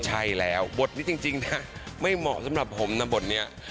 ใช่แล้วบทนี้จริงนะไม่เหมาะสำหรับผมนะบทนี้